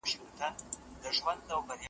خبر رسونه نه وه